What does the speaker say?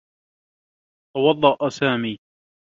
توضّأ سامي.